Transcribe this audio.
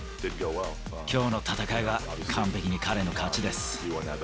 きょうの戦いは完璧に彼の勝ちです。